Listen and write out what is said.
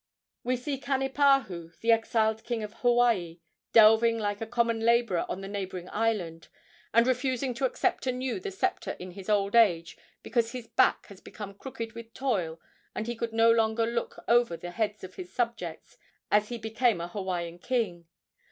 We see Kanipahu, the exiled king of Hawaii, delving like a common laborer on a neighboring island, and refusing to accept anew the sceptre in his old age because his back had become crooked with toil and he could no longer look over the heads of his subjects as became a Hawaiian king.